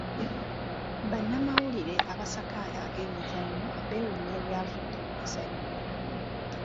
Bannamawulire abasaka ag'ebyemizannyo beewuunya ebyavudde mu muzannyo.